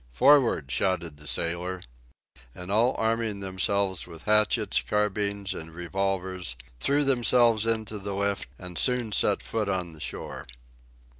"Forward!" shouted the sailor. And all arming themselves with hatchets, carbines, and revolvers, threw themselves into the lift and soon set foot on the shore.